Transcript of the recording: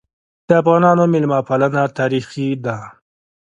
د افغانانو مېلمه پالنه تاریخي ده.